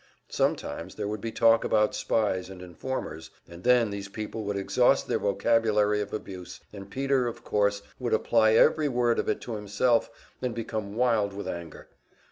Sometimes there would be talk about spies and informers, and then these people would exhaust their vocabulary of abuse, and Peter, of course, would apply every word of it to himself and become wild with anger.